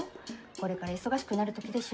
これから忙しくなる時でしょ？